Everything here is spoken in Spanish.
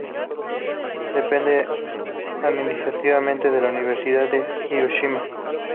Depende administrativamente de la Universidad de Hiroshima.